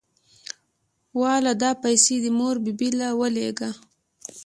واله دا پيسې دې مور بي بي له ولېګه.